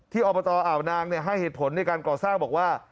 อบตอ่าวนางให้เหตุผลในการก่อสร้างบอกว่า